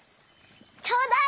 ちょうだい！